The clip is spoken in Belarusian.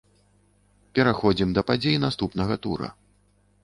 Пераходзім да падзей наступнага тура.